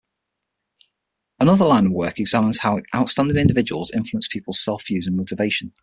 Another line of my work examines how outstanding individuals influence people's self-views and motivation.